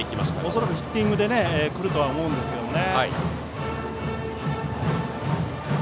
恐らくヒッティングでくると思いますけどね。